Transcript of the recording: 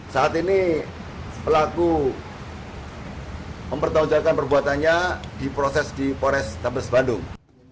saat ini pelaku mempertahankan perbuatannya di proses di porostabes bandung